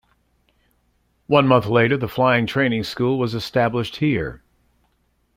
One month later, the Flying Training School was established here.